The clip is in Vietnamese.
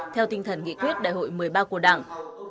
theo tinh thần nghị quyết đại hội một mươi ba của đảng